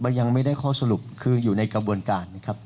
ยังไม่ได้ข้อสรุปคืออยู่ในกระบวนการนะครับ